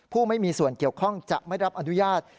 ไม่มีส่วนเกี่ยวข้องจะไม่รับอนุญาต